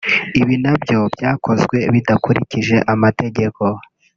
Ibi nabyo byakozwe bidakurikije amategeko